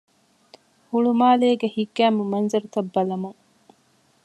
ހުޅުމާލޭގެ ހިތްގައިމު މަންޒަރުތައް ބަލަމުން